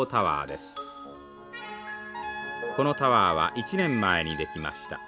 このタワーは１年前に出来ました。